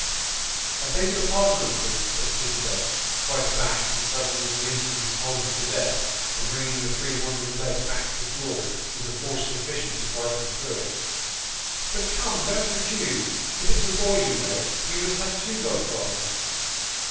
" I beg your pardon, uncle," said Kitterbell, quite abashed, suddenly releasing his hold of the desk, and bringing the three wandering legs back to the floor, with a force sufficient to drive them through it. "' But come, don't refuse. If it's* a boy, you know, we must have two godfathers."